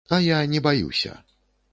А я не баюся.